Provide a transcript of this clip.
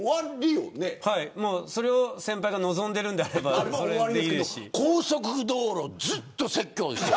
はい、それを先輩が望んでるのであれば高速道路ずっと説教ですよ。